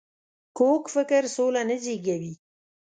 کوږ فکر سوله نه زېږوي